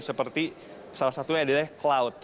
seperti salah satunya adalah cloud